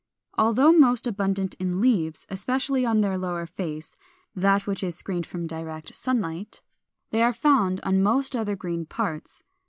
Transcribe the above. Although most abundant in leaves, especially on their lower face (that which is screened from direct sunlight), they are found on most other green parts.